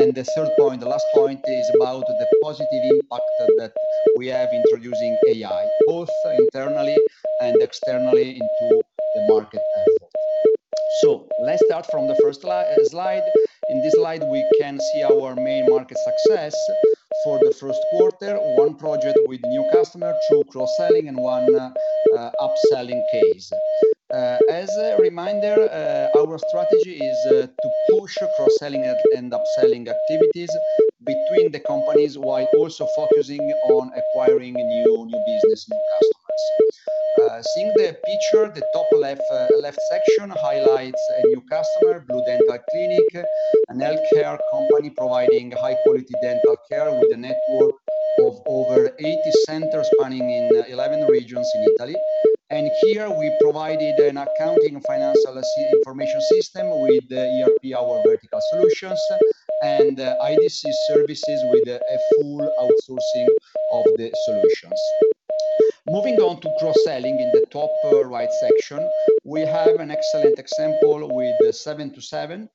Month. The third point, the last point is about the positive impact that we have introducing AI, both internally and externally into the market as well. Let's start from the first slide. In this slide, we can see our main market success for the first quarter, one project with new customer, two cross-selling and one upselling case. As a reminder, our strategy is to push cross selling and upselling activities between the companies while also focusing on acquiring new business, new customers. Seeing the picture, the top left section highlights a new customer, Blu Dental Clinic, and healthcare company providing high quality dental care with a network of over 80 centers spanning in 11 regions in Italy. Here we provided an accounting financial information system with the ERP, our vertical solutions, and IDC services with a full outsourcing of the solutions. Moving on to cross-selling in the top right section, we have an excellent example with Seven to Seven.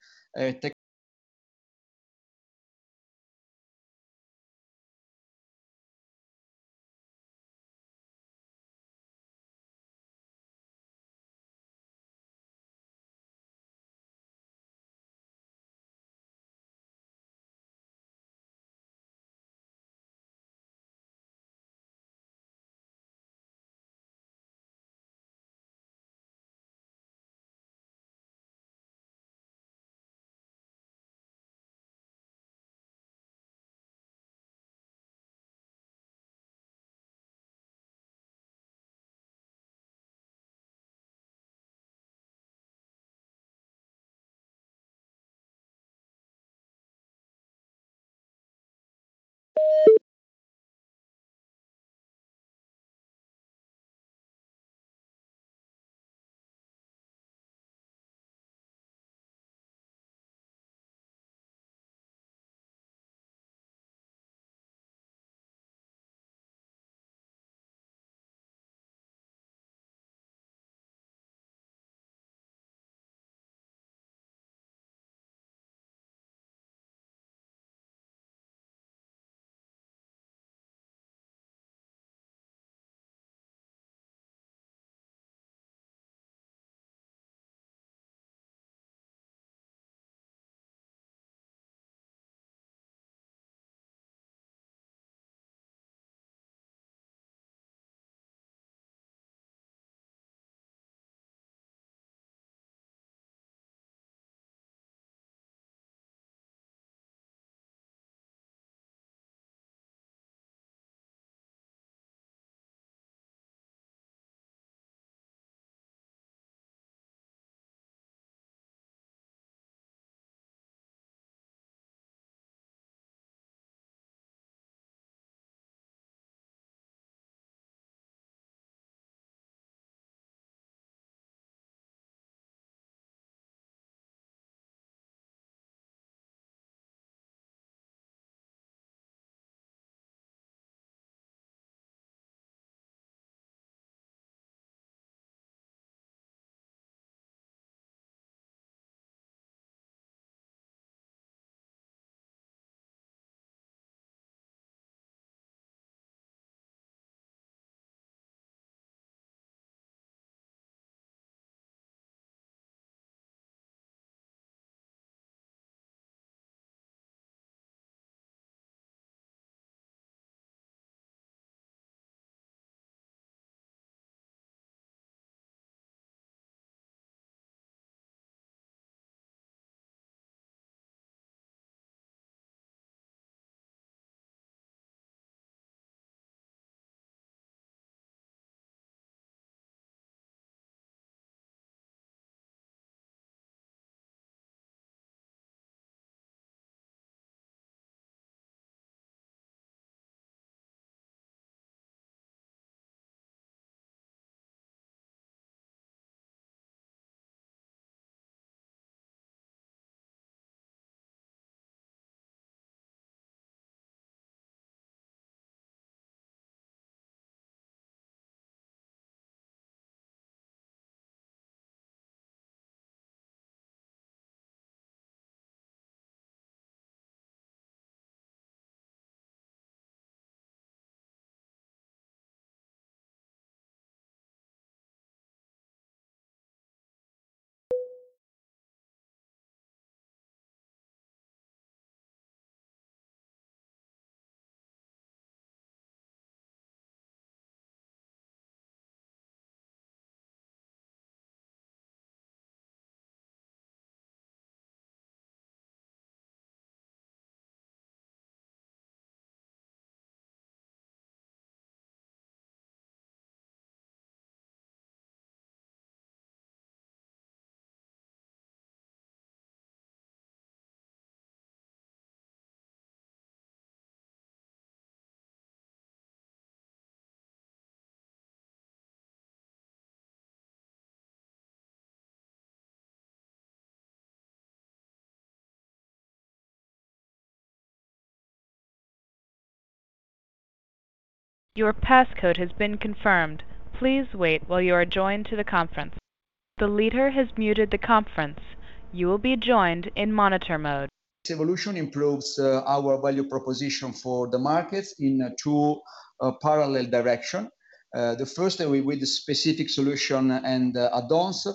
Your passcode has been confirmed. Please wait while you are joined to the conference. The leader has muted the conference. You will be joined in monitor mode Evolution improves our value proposition for the market in two parallel direction. The first with specific solution and add-ons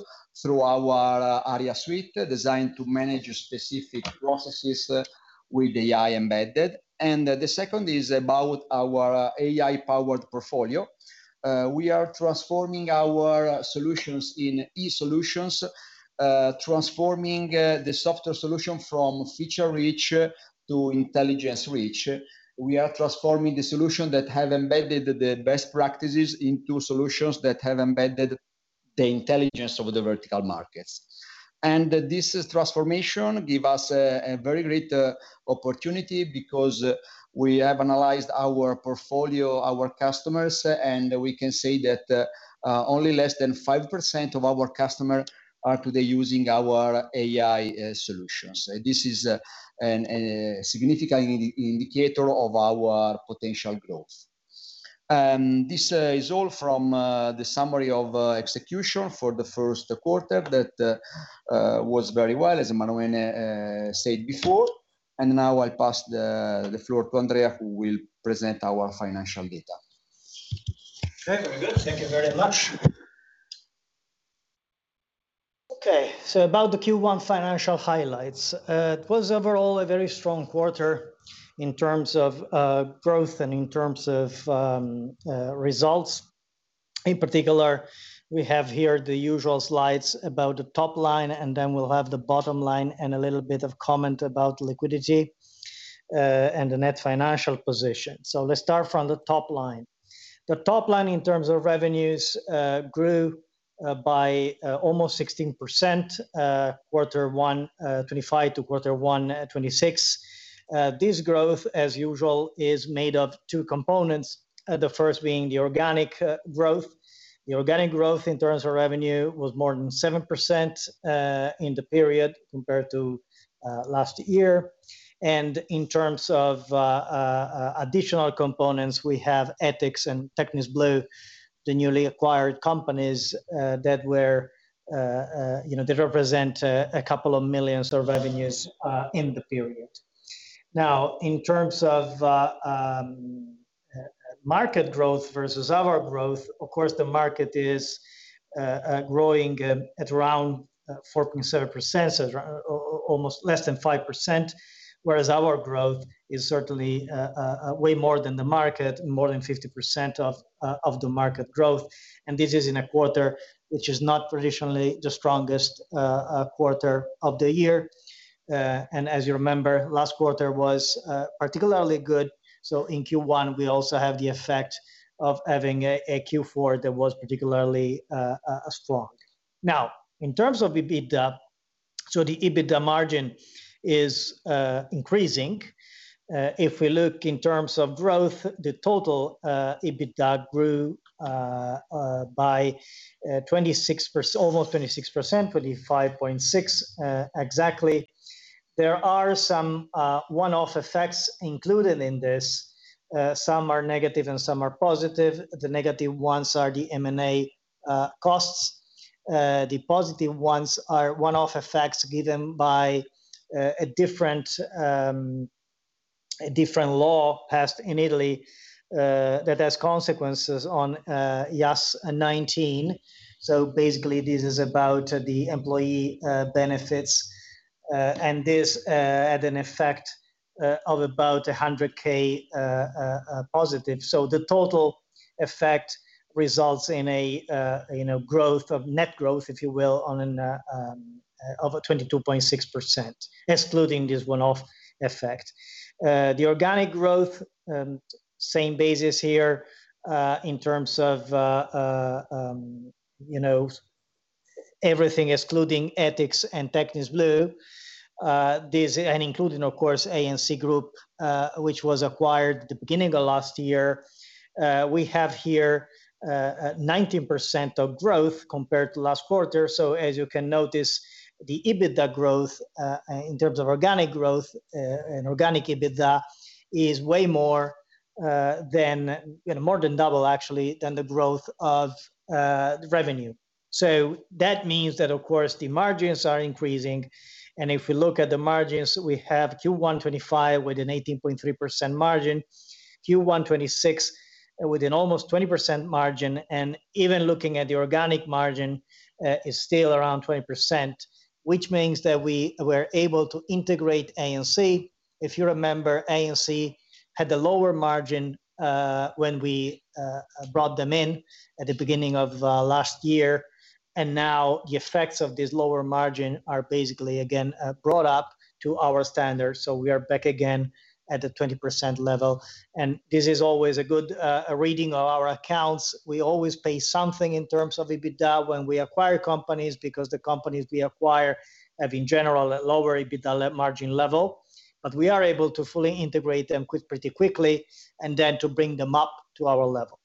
through our arIA suite designed to manage specific processes with AI embedded. The second is about our AI-powered portfolio. We are transforming our solutions in e-solutions, transforming the software solution from feature reach to intelligence reach. We are transforming the solution that have embedded the best practices into solutions that have embedded the intelligence of the vertical markets. This transformation give us a very great opportunity because we have analyzed our portfolio, our customers, and we can say that only less than 5% of our customer are today using our AI solutions. This is an significant indicator of our potential growth. This is all from the summary of execution for the first quarter that was very well, as Emanuele Angelidis said before. Now I pass the floor to Andrea, who will present our financial data. Okay. Good. Thank you very much. About the Q1 financial highlights. It was overall a very strong quarter in terms of growth and in terms of results. In particular, we have here the usual slides about the top line, and then we'll have the bottom line and a little bit of comment about liquidity and the net financial position. Let's start from the top line. The top line, in terms of revenues, grew by almost 16%, quarter one 2025 to quarter one 2026. This growth, as usual, is made of two components, the first being the organic growth. The organic growth in terms of revenue was more than 7% in the period compared to last year. In terms of additional components, we have et.ics and Technis Blu, the newly acquired companies, you know, that represent 2 million of revenues in the period. In terms of market growth versus our growth, of course, the market is growing at around 4.7%, so around almost less than 5%, whereas our growth is certainly way more than the market, more than 50% of the market growth. This is in a quarter which is not traditionally the strongest quarter of the year. As you remember, last quarter was particularly good. In Q1, we also have the effect of having a Q4 that was particularly strong. In terms of EBITDA, the EBITDA margin is increasing. If we look in terms of growth, the total EBITDA grew by almost 26%, 25.6% exactly. There are some one-off effects included in this. Some are negative, and some are positive. The negative ones are the M&A costs. The positive ones are one-off effects given by a different law passed in Italy that has consequences on IAS 19. Basically, this is about the employee benefits. And this had an effect of about +100,000. The total effect results in a, you know, growth of net growth, if you will, on an of a 22.6%, excluding this one-off effect. The organic growth, same basis here, in terms of, you know, everything excluding et.ics and Technis Blu, this and including, of course, A&C Group, which was acquired at the beginning of last year. We have here, 19% of growth compared to last quarter. As you can notice, the EBITDA growth, in terms of organic growth, and organic EBITDA is way more, than, you know, more than double actually than the growth of revenue. That means that, of course, the margins are increasing. If we look at the margins, we have Q1 2025 with an 18.3% margin, Q1 2026 with an almost 20% margin. Even looking at the organic margin, is still around 20%, which means that we were able to integrate A&C. If you remember, A&C had the lower margin when we brought them in at the beginning of last year. Now the effects of this lower margin are basically again brought up to our standards, so we are back again at the 20% level. This is always a good reading of our accounts. We always pay something in terms of EBITDA when we acquire companies, because the companies we acquire have, in general, a lower EBITDA margin level. We are able to fully integrate them pretty quickly and then to bring them up to our level.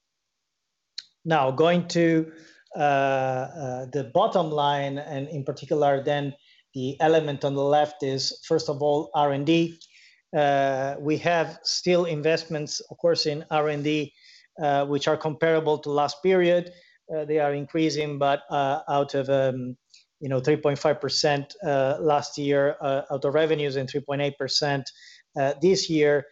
Going to the bottom line and in particular then the element on the left is, first of all, R&D. We have still investments of course in R&D, which are comparable to last period. They are increasing, but out of 3.5% last year, out of revenues and 3.8% this year.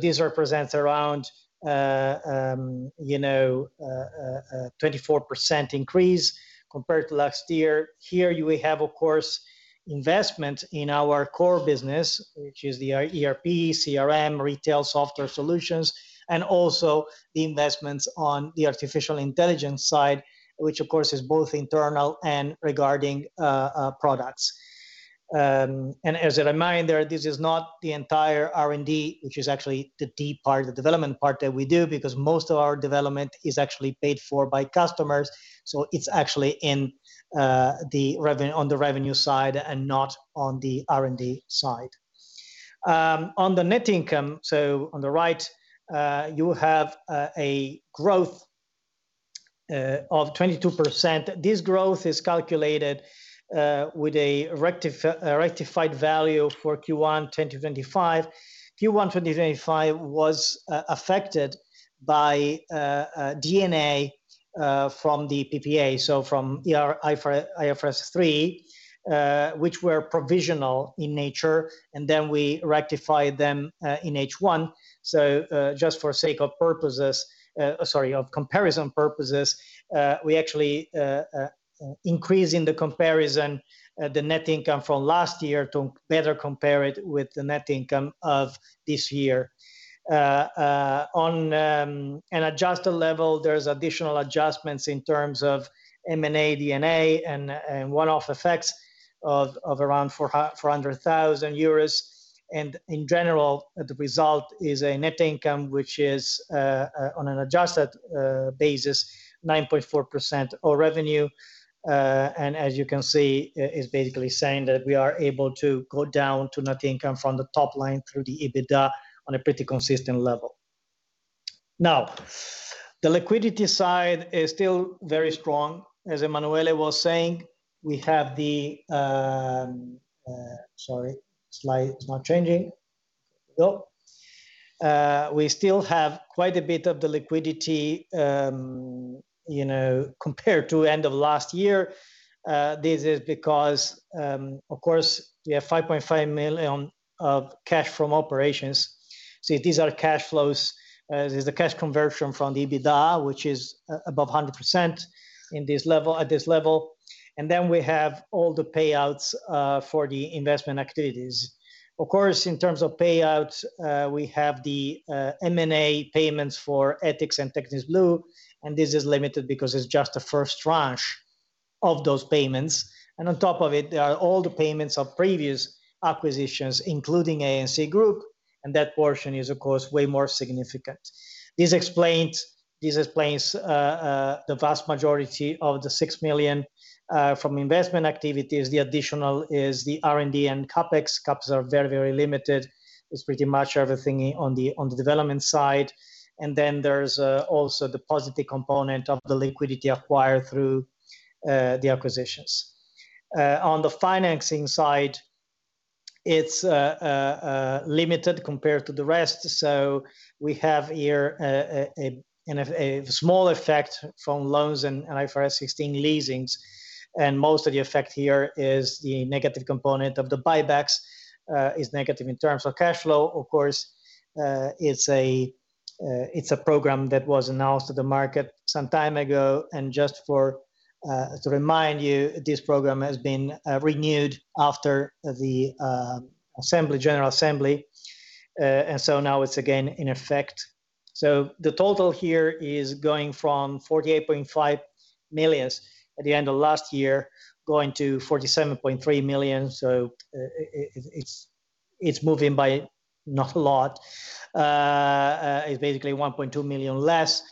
This represents around 24% increase compared to last year. Here we have of course investments in our core business, which is the ERP, CRM, retail software solutions, and also the investments on the artificial intelligence side, which of course is both internal and regarding products. As a reminder, this is not the entire R&D, which is actually the D part, the development part that we do, because most of our development is actually paid for by customers. It's actually on the revenue side and not on the R&D side. On the net income, so on the right, you have a growth of 22%. This growth is calculated with a rectified value for Q1 2025. Q1 2025 was affected by D&A from the PPA, so from IFRS 3, which were provisional in nature, and then we rectified them in H1. Just for sake of purposes, sorry, of comparison purposes, we actually increase in the comparison the net income from last year to better compare it with the net income of this year. On an adjusted level, there's additional adjustments in terms of M&A D&A and one-off effects of around 400,000 euros. In general, the result is a net income which is on an adjusted basis, 9.4% of revenue. As you can see, is basically saying that we are able to go down to net income from the top line through the EBITDA on a pretty consistent level. Now, the liquidity side is still very strong. As Emanuele was saying, we have the Sorry, slide is not changing. No. We still have quite a bit of the liquidity, you know, compared to end of last year. This is because, of course, we have 5.5 million of cash from operations. These are cash flows. This is the cash conversion from the EBITDA, which is above 100% in this level, at this level. We have all the payouts for the investment activities. Of course, in terms of payouts, we have the M&A payments for et.ics and Technis Blu, and this is limited because it's just the first tranche of those payments. On top of it, there are all the payments of previous acquisitions, including A&C Group, and that portion is of course way more significant. This explains the vast majority of the 6 million from investment activities. The additional is the R&D and CapEx. CapEx are very limited. It's pretty much everything on the development side. There's also the positive component of the liquidity acquired through the acquisitions. On the financing side, it's limited compared to the rest. We have here a small effect from loans and IFRS 16 leasings, and most of the effect here is the negative component of the buybacks, is negative in terms of cash flow. Of course, it's a program that was announced to the market some time ago. Just for to remind you, this program has been renewed after the assembly, general assembly. Now it's again in effect. The total here is going from 48.5 million at the end of last year, going to 47.3 million. It's moving by not a lot. It's basically 1.2 million less,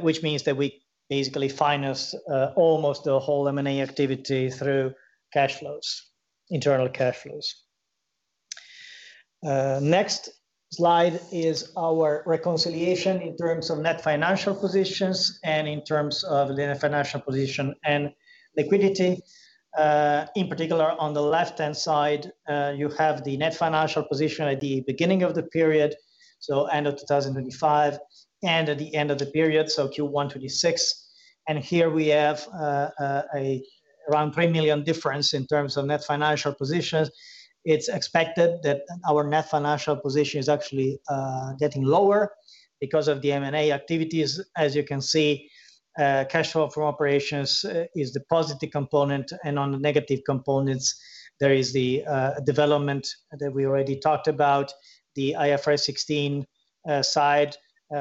which means that we basically finance almost the whole M&A activity through cash flows, internal cash flows. Next slide is our reconciliation in terms of net financial positions and in terms of the net financial position and liquidity. In particular, on the left-hand side, you have the net financial position at the beginning of the period, so end of 2025, and at the end of the period, so Q1 2026. Here we have a around 3 million difference in terms of net financial positions. It's expected that our net financial position is actually getting lower because of the M&A activities. As you can see, cash flow from operations is the positive component, and on the negative components, there is the development that we already talked about, the IFRS 16 side,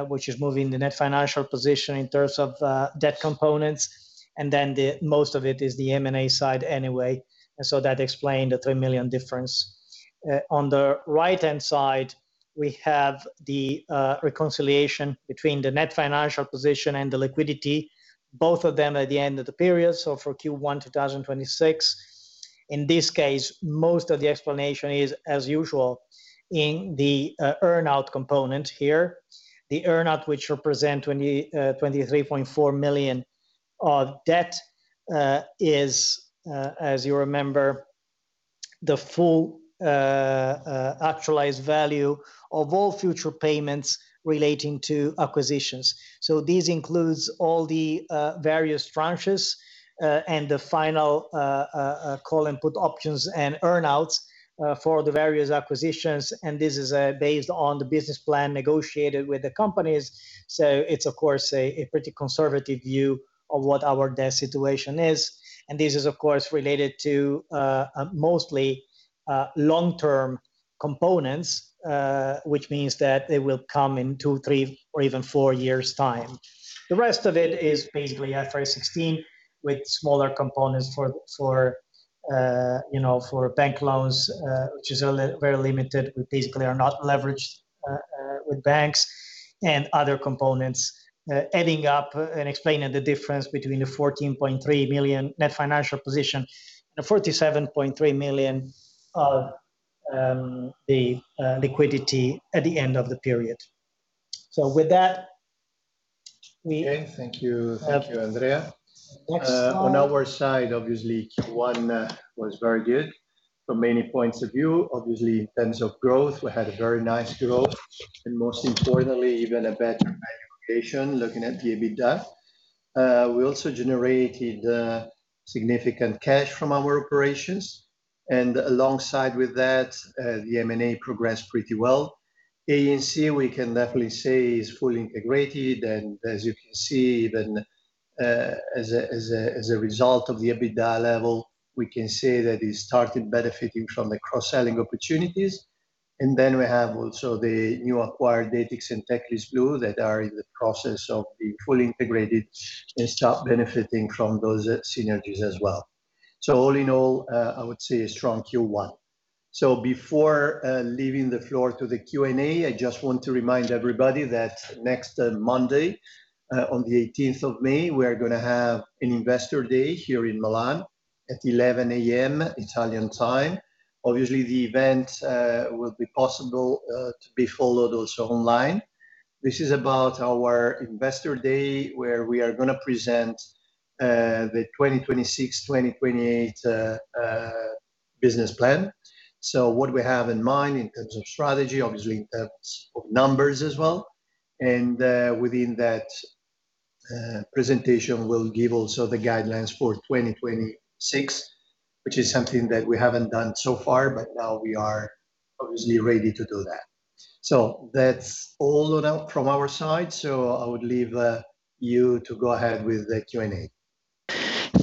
which is moving the net financial position in terms of debt components. The most of it is the M&A side anyway. That explained the 3 million difference. On the right-hand side, we have the reconciliation between the net financial position and the liquidity, both of them at the end of the period, so for Q1 2026. In this case, most of the explanation is, as usual, in the earn-out component here. The earn-out which represent 23.4 million of debt, is, as you remember, the full actualized value of all future payments relating to acquisitions. This includes all the various tranches, and the final call and put options and earn-outs for the various acquisitions, and this is based on the business plan negotiated with the companies. It's of course a pretty conservative view of what our debt situation is, and this is of course related to mostly long-term components, which means that they will come in two, three, or even four years' time. The rest of it is basically IFRS 16 with smaller components for you know, for bank loans, which is very limited. We basically are not leveraged with banks and other components, adding up and explaining the difference between the 14.3 million net financial position and the 47.3 million of liquidity at the end of the period. Okay. Thank you. Thank you, Andrea. Next slide. On our side, obviously Q1 was very good from many points of view. Obviously in terms of growth, we had a very nice growth, and most importantly even a better valuation looking at the EBITDA. We also generated significant cash from our operations, and alongside with that, the M&A progressed pretty well. A&C, we can definitely say is fully integrated, and as you can see, even as a result of the EBITDA level, we can say that it started benefiting from the cross-selling opportunities. We have also the new acquired et.ics And Technis Blu that are in the process of being fully integrated and start benefiting from those synergies as well. All in all, I would say a strong Q1. Before leaving the floor to the Q&A, I just want to remind everybody that next Monday, on 18th of May, we are going to have an investor day here in Milan at 11:00 A.M. Italian time. Obviously, the event will be possible to be followed also online. This is about our investor day, where we are going to present the 2026, 2028 business plan. What we have in mind in terms of strategy, obviously in terms of numbers as well, and within that presentation we will give also the guidelines for 2026, which is something that we haven't done so far, but now we are obviously ready to do that. That's all from our side, I would leave you to go ahead with the Q&A.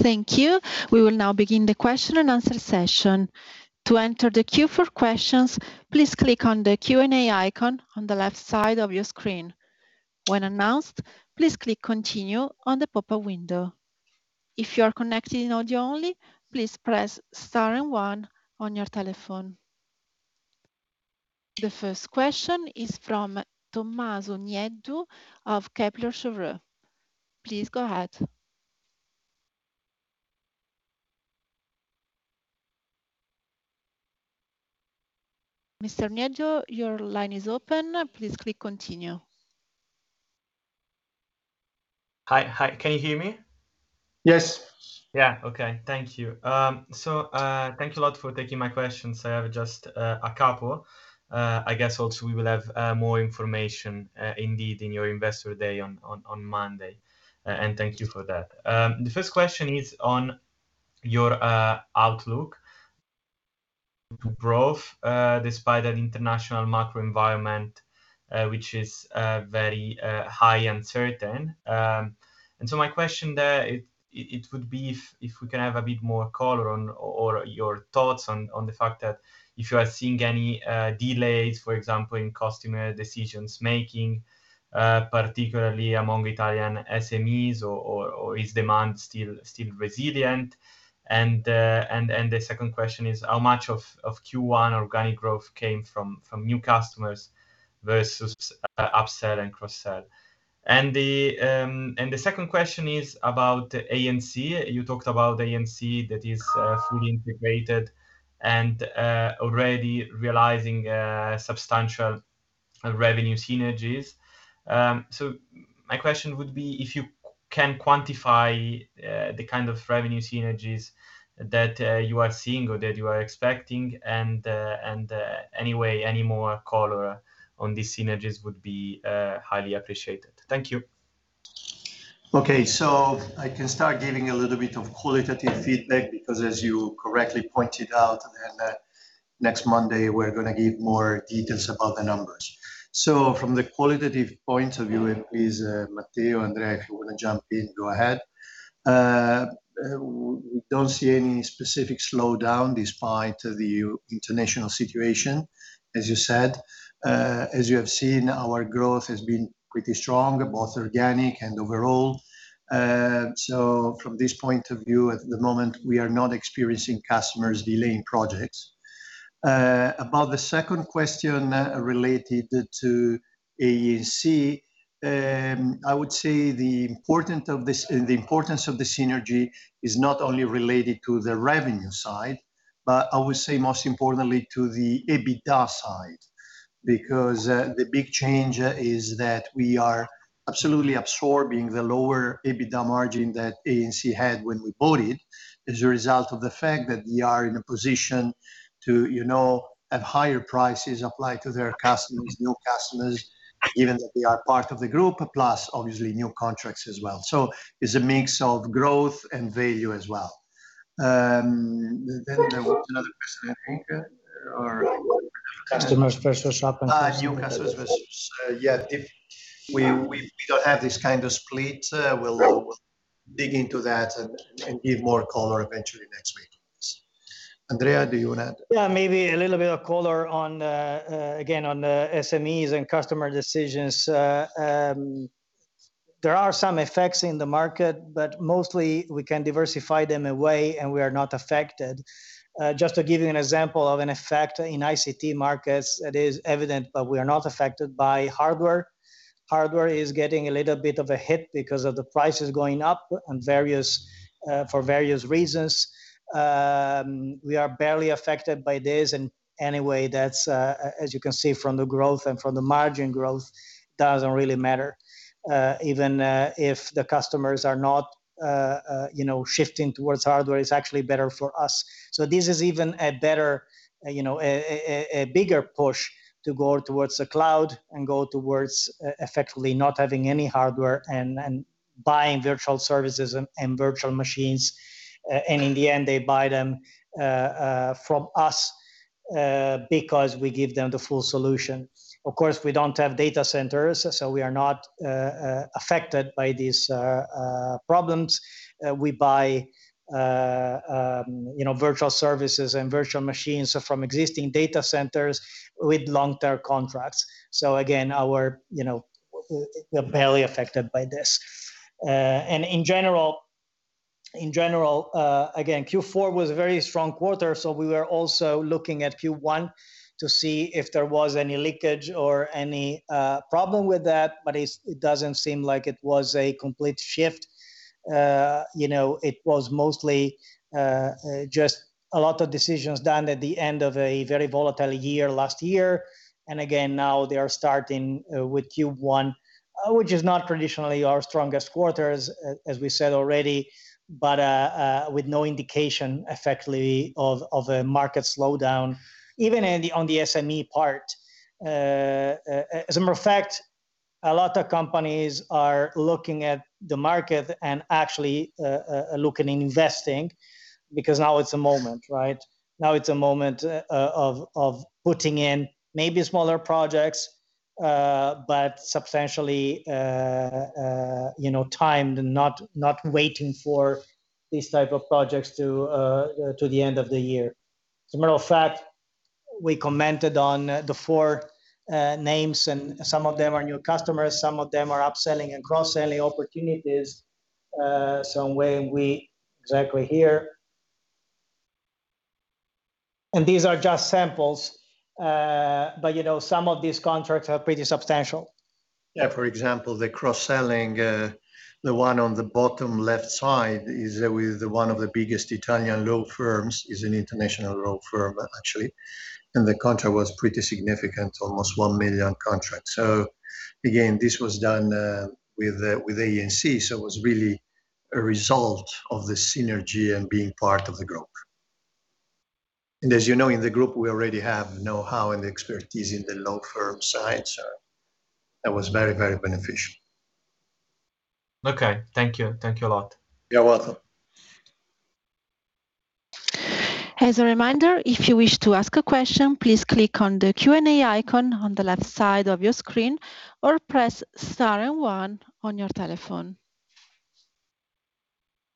Thank you. We will now begin the question and answer session. To enter the queue for questions, please click on the Q&A icon on the left side of your screen. When announced, please click continue on the pop-up window. If you are connected in audio only, please press star and one on your telephone. The first question is from Tommaso Nieddu of Kepler Cheuvreux. Please go ahead. Mr. Nieddu, your line is open. Please click continue. Hi. Hi. Can you hear me? Yes. Thank you. Thank you a lot for taking my questions. I have just a couple. I guess also we will have more information indeed in your investor day on Monday and thank you for that. The first question is on your outlook growth despite an international macro environment which is very high uncertain. My question there it would be if we can have a bit more color on or your thoughts on the fact that if you are seeing any delays, for example, in customer decisions making, particularly among Italian SMEs or is demand still resilient? The second question is how much of Q1 organic growth came from new customers versus upsell and cross-sell? The second question is about A&C. You talked about A&C that is fully integrated and already realizing substantial revenue synergies. My question would be if you can quantify the kind of revenue synergies that you are seeing or that you are expecting, any way, any more color on these synergies would be highly appreciated. Thank you. Okay. I can start giving a little bit of qualitative feedback because as you correctly pointed out, then, next Monday we're gonna give more details about the numbers. From the qualitative point of view, and please, Matteo, Andrea, if you wanna jump in, go ahead. We don't see any specific slowdown despite the international situation, as you said. As you have seen, our growth has been pretty strong, both organic and overall. From this point of view, at the moment we are not experiencing customers delaying projects. About the second question, related to A&C, I would say the importance of the synergy is not only related to the revenue side, but I would say most importantly to the EBITDA side. The big change is that we are absolutely absorbing the lower EBITDA margin that A&C had when we bought it, as a result of the fact that we are in a position to, you know, have higher prices applied to their customers, new customers, given that they are part of the group, plus obviously new contracts as well. It's a mix of growth and value as well. There was another question I think. Customers versus up and cross-selling. new customers versus yeah, if we don't have this kind of split, we'll dig into that and give more color eventually next week. Andrea, do you wanna add? Maybe a little bit of color on again, on the SMEs and customer decisions. There are some effects in the market, but mostly we can diversify them away, and we are not affected. Just to give you an example of an effect in ICT markets, it is evident that we are not affected by hardware. Hardware is getting a little bit of a hit because of the prices going up on various for various reasons. We are barely affected by this, and anyway that's as you can see from the growth and from the margin growth, doesn't really matter. Even if the customers are not, you know, shifting towards hardware, it's actually better for us. This is even a better, you know, a bigger push to go towards the cloud and go towards effectively not having any hardware and buying virtual services and virtual machines. In the end, they buy them from us because we give them the full solution. Of course, we don't have data centers, so we are not affected by these problems. We buy, you know, virtual services and virtual machines from existing data centers with long-term contracts. Again, our, you know, barely affected by this. In general, again, Q4 was a very strong quarter, so we were also looking at Q1 to see if there was any leakage or any problem with that. It doesn't seem like it was a complete shift. You know, it was mostly just a lot of decisions done at the end of a very volatile year last year. Again, now they are starting with Q1, which is not traditionally our strongest quarters, as we said already, but with no indication effectively of a market slowdown, even in the, on the SMEs part. As a matter of fact, a lot of companies are looking at the market and actually looking in investing, because now it's a moment, right? Now it's a moment of putting in maybe smaller projects, but substantially, you know, timed and not waiting for these type of projects to the end of the year. As a matter of fact, we commented on the four names, and some of them are new customers, some of them are upselling and cross-selling opportunities. Some way we exactly hear. These are just samples. You know, some of these contracts are pretty substantial. For example, the cross-selling, the one on the bottom left side is with the one of the biggest Italian law firms. It is an international law firm actually. The contract was pretty significant, almost 1 million contract. Again, this was done with A&C. It was really a result of the synergy and being part of the group. As you know, in the group, we already have know-how and expertise in the law firm side. That was very, very beneficial. Okay. Thank you. Thank you a lot. You're welcome. As a reminder, if you wish to ask a question, please click on the Q&A icon on the left side of your screen, or press star and one on your telephone.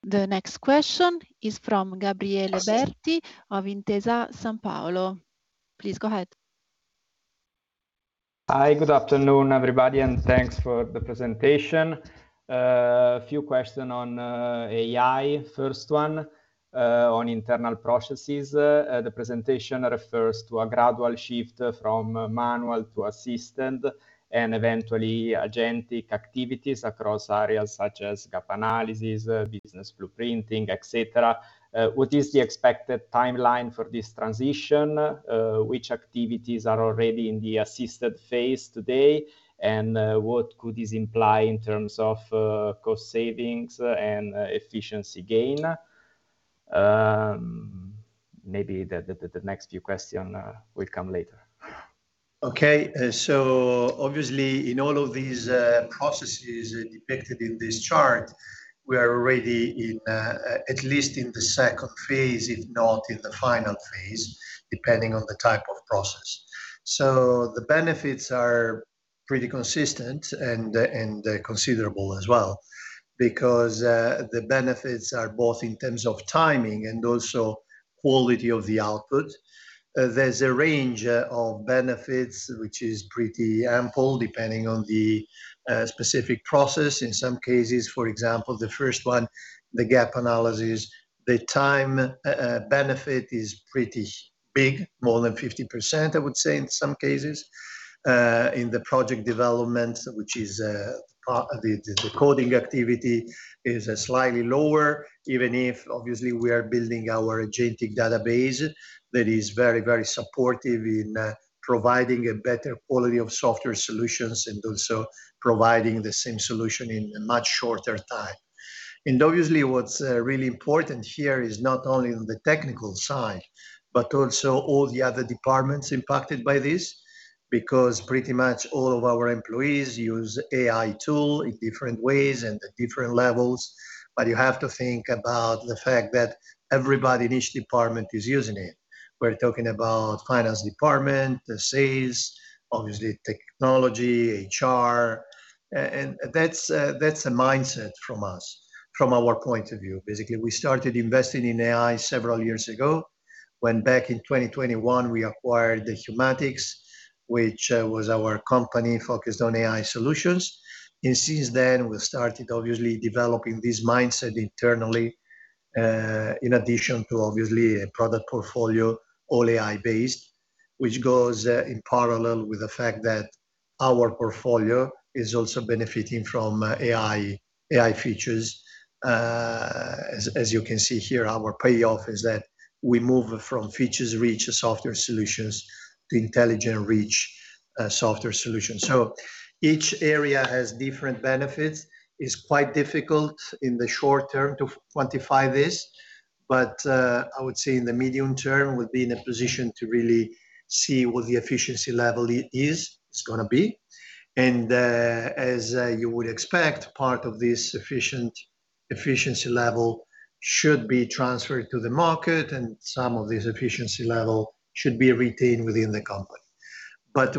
The next question is from Gabriele Berti of Intesa Sanpaolo. Please go ahead. Hi. Good afternoon, everybody, and thanks for the presentation. A few question on AI. First one, on internal processes. The presentation refers to a gradual shift from manual to assistant and eventually agentic activities across areas such as gap analysis, business blueprinting, et cetera. What is the expected timeline for this transition? Which activities are already in the assisted phase today? What could this imply in terms of cost savings and efficiency gain? Maybe the next few question will come later. Okay. Obviously in all of these processes depicted in this chart, we are already in at least in the second phase, if not in the final phase, depending on the type of process. The benefits are pretty consistent and considerable as well because the benefits are both in terms of timing and also quality of the output. There's a range of benefits, which is pretty ample depending on the specific process. In some cases, for example, the first one, the gap analysis, the time benefit is pretty big, more than 50%, I would say, in some cases. In the project development, which is part the coding activity is slightly lower, even if obviously we are building our agentic database that is very, very supportive in providing a better quality of software solutions and also providing the same solution in a much shorter time. Obviously, what's really important here is not only on the technical side, but also all the other departments impacted by this because pretty much all of our employees use AI tool in different ways and at different levels. You have to think about the fact that everybody in each department is using it. We're talking about finance department, the sales, obviously technology, HR. That's a, that's a mindset from us, from our point of view. We started investing in AI several years ago when back in 2021 we acquired Humatics, which was our company focused on AI solutions. Since then, we started obviously developing this mindset internally, in addition to obviously a product portfolio, all AI-based, which goes in parallel with the fact that our portfolio is also benefiting from AI features. As you can see here, our payoff is that we move from features-rich software solutions to intelligent-rich software solutions. Each area has different benefits. It's quite difficult in the short term to quantify this, I would say in the medium term, we'll be in a position to really see what the efficiency level is gonna be. As you would expect, part of this efficiency level should be transferred to the market, and some of this efficiency level should be retained within the company.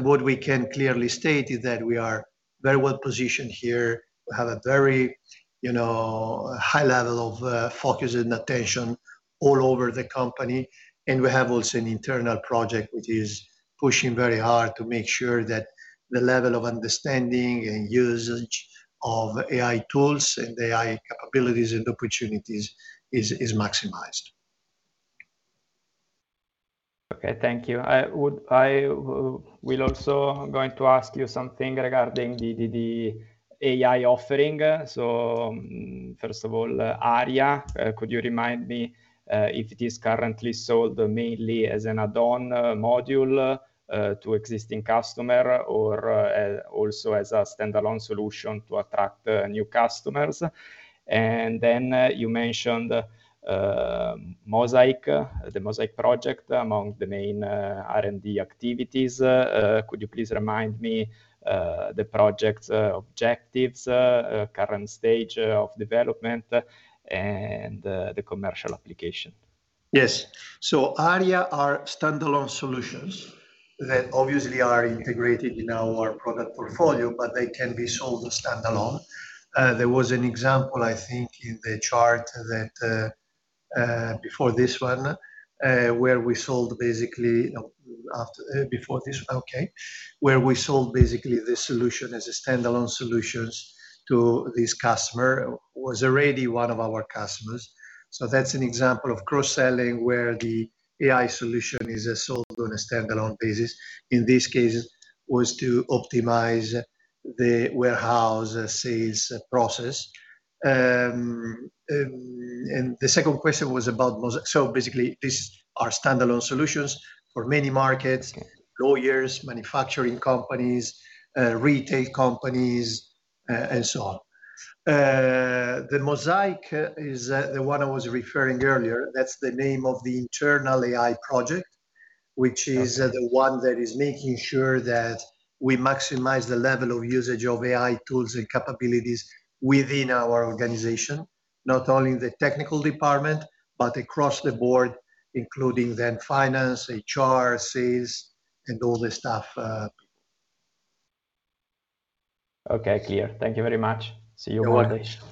What we can clearly state is that we are very well positioned here. We have a very, you know, high level of focus and attention all over the company, and we have also an internal project which is pushing very hard to make sure that the level of understanding and usage of AI tools and AI capabilities and opportunities is maximized. Okay. Thank you. I will also going to ask you something regarding the AI offering. First of all, arIA, could you remind me if it is currently sold mainly as an add-on module to existing customer or also as a standalone solution to attract new customers? Then, you mentioned the Mosaic project among the main R&D activities. Could you please remind me the project's objectives, current stage of development and the commercial application? Yes. arIA are standalone solutions that obviously are integrated in our product portfolio, but they can be sold standalone. There was an example, I think, in the chart that before this one, where we sold basically after before this. Where we sold basically the solution as a standalone solutions to this customer, who was already one of our customers. That's an example of cross-selling where the AI solution is sold on a standalone basis. In this case, it was to optimize the warehouse sales process. The second question was about Mosaic. Basically these are standalone solutions for many markets, lawyers, manufacturing companies, retail companies, and so on. The Mosaic is the one I was referring earlier. That's the name of the internal AI project. Okay which is, the one that is making sure that we maximize the level of usage of AI tools and capabilities within our organization, not only in the technical department, but across the board, including then finance, HR, sales, and all the staff. Okay. Clear. Thank you very much. See you on Monday. You're welcome.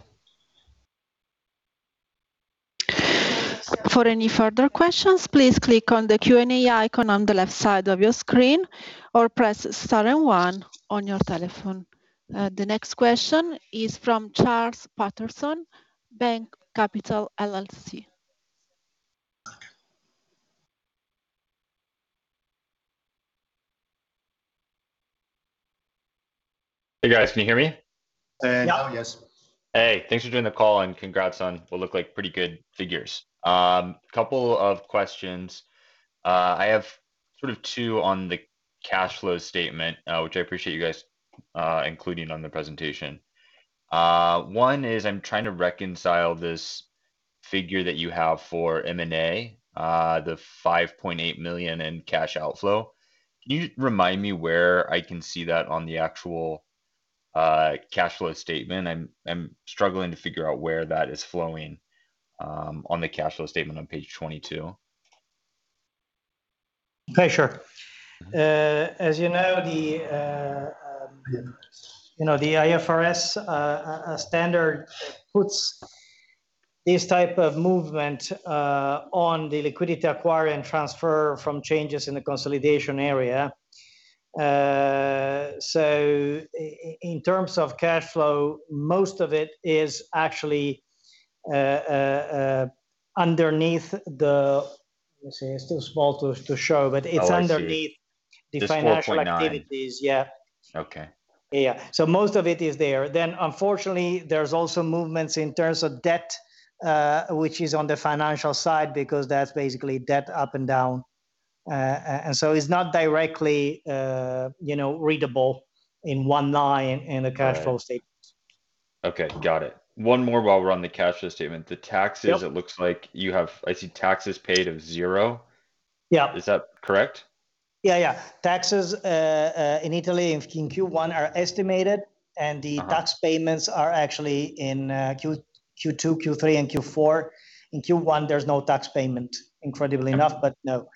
For any further questions, please click on the Q&A icon on the left side of your screen or press star and one on your telephone. The next question is from Charles Patterson, Bank Capital LLC. Hey, guys. Can you hear me? Now, yes. Hey, thanks for doing the call, and congrats on what look like pretty good figures. Couple of questions. I have sort of two on the cash flow statement, which I appreciate you guys including on the presentation. One is I'm trying to reconcile this figure that you have for M&A, the 5.8 million in cash outflow. Can you remind me where I can see that on the actual cash flow statement? I'm struggling to figure out where that is flowing on the cash flow statement on page 22. Okay, sure. As you know, the, you know, the IFRS standard puts this type of movement on the liquidity acquire and transfer from changes in the consolidation area. In terms of cash flow, most of it is actually underneath. Let me see. It's too small to show, but it's underneath. Oh, I see. the financial activities. This 4.9%. Yeah. Okay. Yeah. Most of it is there. Unfortunately, there's also movements in terms of debt, which is on the financial side because that's basically debt up and down. It's not directly, you know, readable in one line in the cash flow statements. Right. Okay, got it. One more while we're on the cash flow statement. Yep. The taxes, it looks like you have, I see taxes paid of zero. Yeah. Is that correct? Yeah, yeah. Taxes in Italy in Q1 are estimated. The tax payments are actually in Q2, Q3, and Q4. In Q1, there's no tax payment, incredibly enough, but no.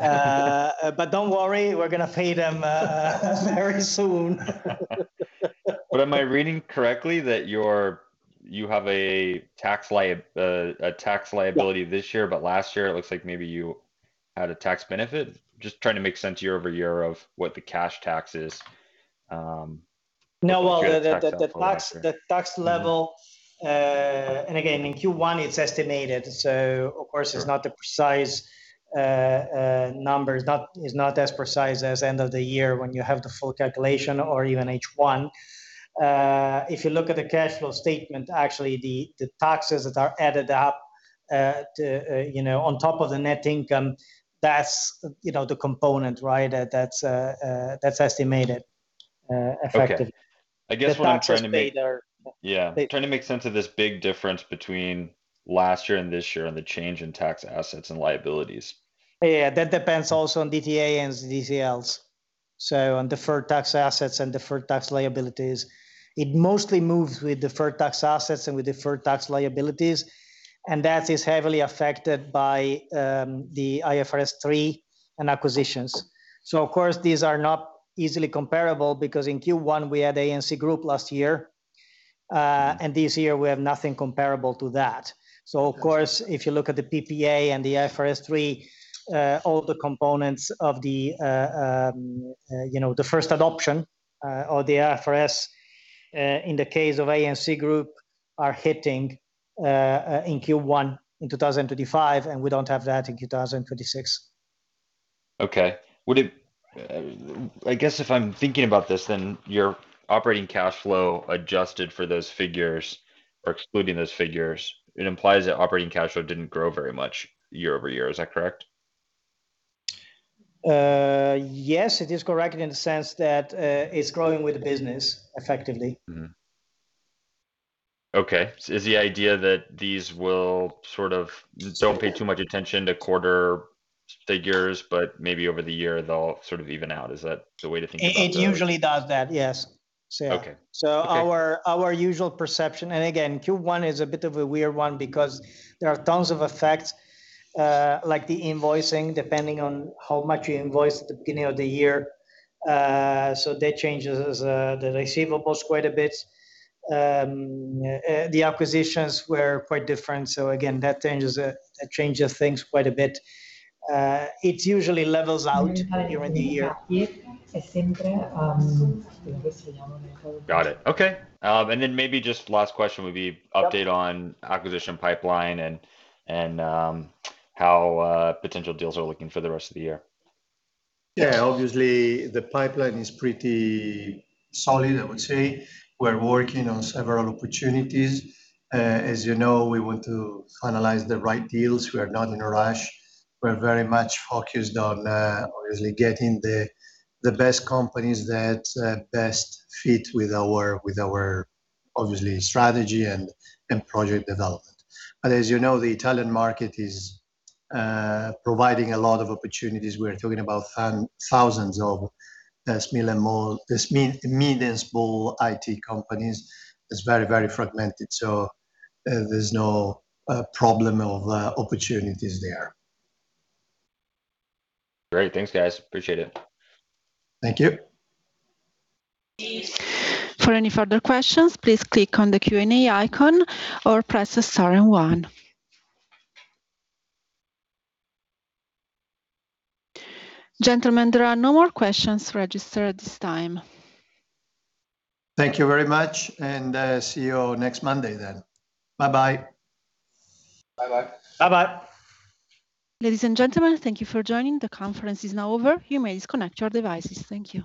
Don't worry, we're gonna pay them very soon. Am I reading correctly that you have a tax liability this year, but last year it looks like maybe you had a tax benefit? Just trying to make sense year over year of what the cash tax is. No. Well, the. What your tax outflow last year? the tax level- Again, in Q1 it's estimated, so of course it's not the precise number. It's not, it's not as precise as end of the year when you have the full calculation or even H1. If you look at the cash flow statement, actually the taxes that are added up to, you know, on top of the net income, that's, you know, the component, right? That's estimated effectively. Okay. I guess what I'm trying to make. The taxes paid are. Yeah. They- Trying to make sense of this big difference between last year and this year and the change in tax assets and liabilities. Yeah, that depends also on DTA and DTLs, so on deferred tax assets and deferred tax liabilities. It mostly moves with deferred tax assets and with deferred tax liabilities, and that is heavily affected by the IFRS 3 and acquisitions. Of course, these are not easily comparable because in Q1 we had A&C Group last year, and this year we have nothing comparable to that. Of course, if you look at the PPA and the IFRS 3, all the components of the, you know, the first adoption, or the IFRS, in the case of A&C Group are hitting in Q1 in 2025, and we don't have that in 2026. Okay. Would it, I guess if I'm thinking about this, your operating cash flow adjusted for those figures or excluding those figures, it implies that operating cash flow didn't grow very much year-over-year. Is that correct? Yes, it is correct in the sense that it's growing with the business effectively. Mm-hmm. Okay. Is the idea that these will sort of Don't pay too much attention to quarter figures, but maybe over the year they'll sort of even out. Is that the way to think about those? It usually does that, yes. Okay. Okay Our usual perception, and again, Q1 is a bit of a weird one because there are tons of effects, like the invoicing, depending on how much you invoice at the beginning of the year. That changes the receivables quite a bit. The acquisitions were quite different, again, that changes things quite a bit. It usually levels out during the year. Got it. Okay, maybe just last question. Yeah Update on acquisition pipeline and how potential deals are looking for the rest of the year. Yeah. Obviously, the pipeline is pretty solid, I would say. We're working on several opportunities. As you know, we want to finalize the right deals. We are not in a rush. We're very much focused on obviously getting the best companies that best fit with our strategy and project development. As you know, the Italian market is providing a lot of opportunities. We're talking about thousands of IT companies, there's millions more IT companies. It's very fragmented, there's no problem of opportunities there. Great. Thanks, guys. Appreciate it. Thank you. For any further questions, please click on the Q&A icon or press star and one. Gentlemen, there are no more questions registered at this time. Thank you very much, and, see you next Monday then. Bye-bye. Bye-bye. Bye-bye. Ladies and gentlemen, thank you for joining. The conference is now over. You may disconnect your devices. Thank you.